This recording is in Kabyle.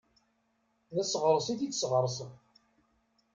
D aseɣres i t-id-sɣersen.